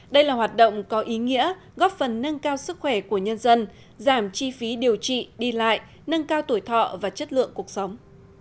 đây là hoạt động có ý nghĩa góp phần nâng cao sức khỏe của nhân dân giảm chi phí điều trị đi lại nâng cao tuổi thọ và chất lượng cuộc sống